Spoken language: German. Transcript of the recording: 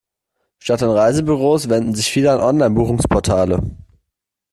Statt an Reisebüros wenden sich viele an Online-Buchungsportale.